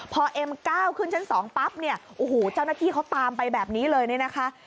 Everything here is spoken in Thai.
พอเอ็มก้าวขึ้นชั้น๒ปั๊บเนี่ยโอ้โหเจ้าหน้าที่เขาตามไปแบบนี้เลยเนี่ยนะคะ